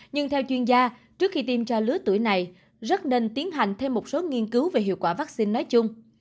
nhưng theo chuyên gia trước khi tiêm ra lứa tuổi này rất nên tiến hành thêm một số nghiên cứu về hiệu quả vaccine nói chung